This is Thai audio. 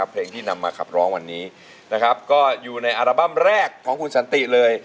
เพลงที่นำมาขับร้องวันนี้นะครับก็อยู่ในอัลบั้มแรกของคุณสันติเลย